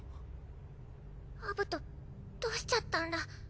アブトどうしちゃったんら？